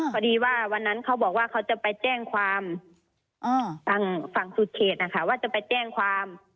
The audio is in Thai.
พอดีว่าวันนั้นเขาบอกว่าเขาจะไปแจ้งความฝั่งสุดเขตนะคะว่าจะไปแจ้งความ